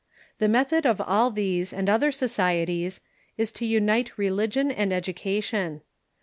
The method of all these and other societies is to unite religion and education.